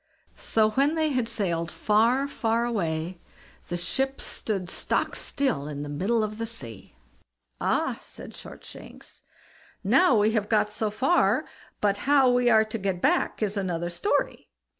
So when they had sailed far, far away, the ship stood stock still in the middle of the sea. "Ah!" said Shortshanks, "now we have got so far; but how we are to get back is another story."